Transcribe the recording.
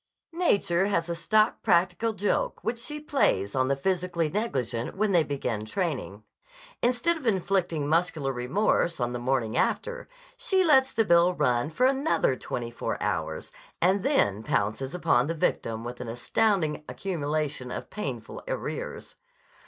Nature has a stock practical joke which she plays on the physically negligent when they begin training. Instead of inflicting muscular remorse on the morning after, she lets the bill run for another twenty four hours and then pounces upon the victim with an astounding accumulation of painful arrears.